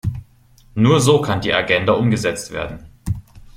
Nur so kann die Agenda umgesetzt werden.